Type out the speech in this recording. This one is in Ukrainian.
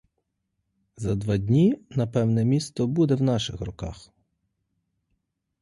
За два дні, напевне, місто буде в наших руках.